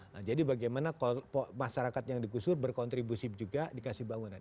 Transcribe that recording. nah jadi bagaimana masyarakat yang digusur berkontribusi juga dikasih bangunan